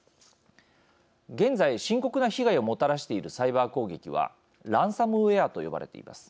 現在、深刻な被害をもたらしているサイバー攻撃はランサムウェアと呼ばれています。